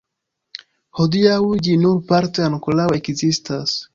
Hodiaŭ ĝi nur parte ankoraŭ ekzistas.